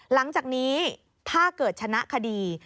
หลังจากนี้ถ้าเกิดชนะคดี